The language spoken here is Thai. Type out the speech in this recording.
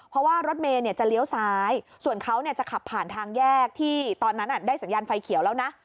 เพราะว่ารถเมย์จะเลี้ยวซ้ายส่วนเขาจะขับผ่านทางแยกที่ตอนนั้นได้สัญญาณไฟเขียวแล้วนะ